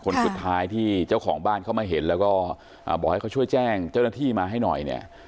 คนสุดท้ายที่เจ้าของบ้านเข้ามาเห็นแล้วก็บอกให้เขาช่วยแจ้งเจ้าหน้าที่มาให้หน่อยเนี่ย